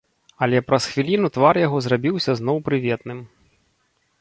Але праз хвіліну твар яго зрабіўся зноў прыветным.